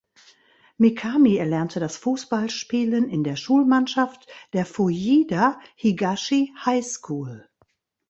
Mikami erlernte das Fußballspielen in der Schulmannschaft der Fujieda Higashi High School.